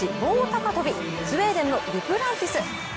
高跳びスウェーデンのデュプランティス。